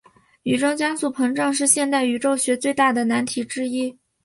宇宙加速膨胀是现代宇宙学的最大难题之一。